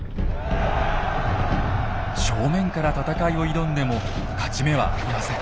正面から戦いを挑んでも勝ち目はありません。